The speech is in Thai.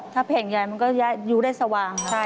ถ้าแผงใหญ่มันก็อยู่ได้สว่างค่ะ